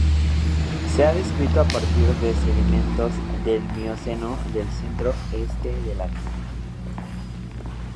Se ha descrito a partir de sedimentos del Mioceno del centro-este de la Argentina.